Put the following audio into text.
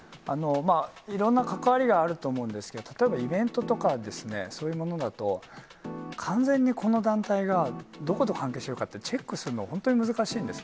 いろんな関わりがあると思うんですけど、例えばイベントとか、そういうものだと、完全にこの団体がどこと関係してるかって、チェックするのは本当に難しいんです。